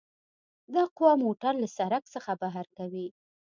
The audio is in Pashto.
دا قوه موټر له سرک څخه بهر کوي